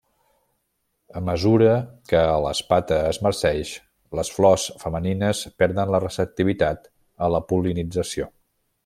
A mesura que l'espata es marceix, les flors femenines perden la receptivitat a la pol·linització.